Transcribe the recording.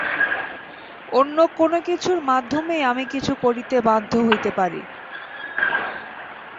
অন্য কোন কিছুর মাধ্যমেই আমি কিছু করিতে বাধ্য হইতে পারি।